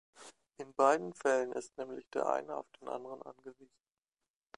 In beiden Fällen ist nämlich der eine auf den anderen angewiesen.